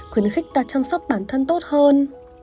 khuyến khích ta chăm sóc bản thân tốt hơn